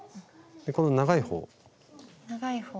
この長い方。